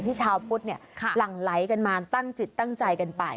ชาวพุทธหลั่งไหลกันมาตั้งจิตตั้งใจกันไป